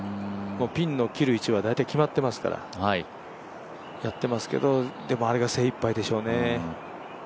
ピンの切る位置は大体決まってますからやってますけど、でもあれが精いっぱいでしょうね。